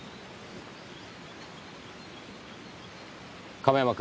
亀山君。